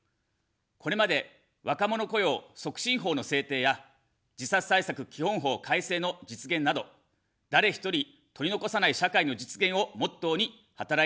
これまで若者雇用促進法の制定や自殺対策基本法改正の実現など、誰一人取り残さない社会の実現をモットーに働いてまいりました。